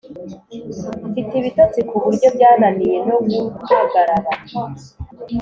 Mfite ibitotsi kuburyo byananiye noguhagarara